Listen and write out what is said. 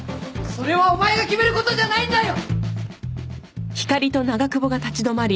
それはお前が決める事じゃないんだよ！！